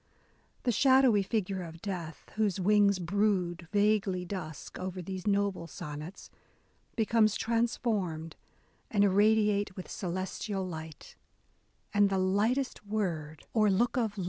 The shadowy figure of Death, whose wings brood, vaguely dusk, over these noble sonnets, becomes transformed and irradiate with celestial light ; and the lightest word or look of A DAY WITH E.